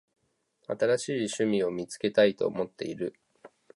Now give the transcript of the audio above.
新しい趣味を見つけたいと思っている。